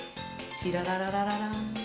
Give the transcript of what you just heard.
チララララララン。